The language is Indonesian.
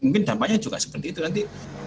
mungkin dampaknya juga seperti itu nanti